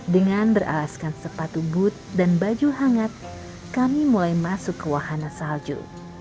dengan beralaskan sepatu booth dan baju hangat kami mulai masuk ke wahana salju